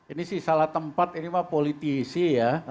ini sih salah tempat ini mah politisi ya